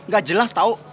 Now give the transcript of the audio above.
gak jelas tau